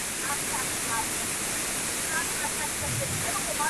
o د وخت پاچا زما اته ي دي غلا كړي.